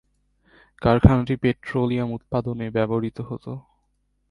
কারখানাটি পেট্রোলিয়াম উৎপাদনে ব্যবহৃত হতো।